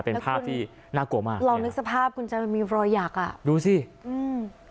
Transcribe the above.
เป็นภาพที่น่ากลัวมากลองนึกสภาพคุณจะมันมีรอยหยักอ่ะดูสิอืม